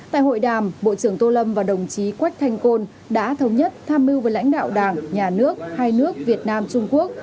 tại hội đàm bộ trưởng tô lâm và đồng chí quách thanh côn đã thống nhất tham mưu với lãnh đạo đảng nhà nước hai nước việt nam trung quốc